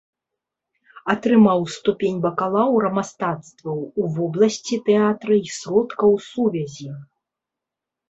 Атрымаў ступень бакалаўра мастацтваў у вобласці тэатра і сродкаў сувязі.